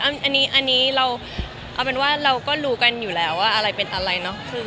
อันนี้เราก็รู้กันอยู่แล้วว่าอะไรเป็นอะไรเนาะ